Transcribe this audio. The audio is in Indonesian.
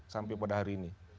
sampai pada hari ini